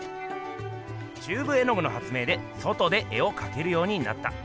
チューブ絵具の発明で外で絵をかけるようになった。